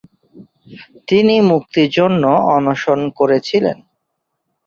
তিনি মুক্তির জন্যে অনশন করেছিলেন।